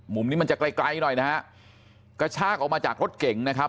มุมนี้มันจะไกลไกลหน่อยนะฮะกระชากออกมาจากรถเก่งนะครับ